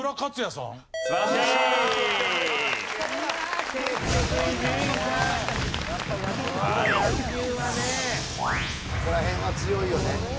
そこら辺は強いよね。